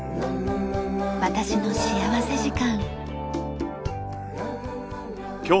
『私の幸福時間』。